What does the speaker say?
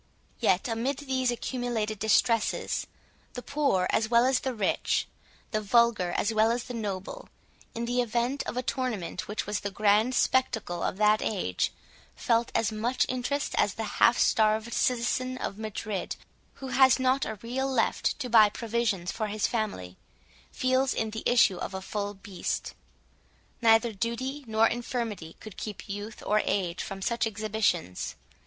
Yet amid these accumulated distresses, the poor as well as the rich, the vulgar as well as the noble, in the event of a tournament, which was the grand spectacle of that age, felt as much interested as the half starved citizen of Madrid, who has not a real left to buy provisions for his family, feels in the issue of a bull feast. Neither duty nor infirmity could keep youth or age from such exhibitions.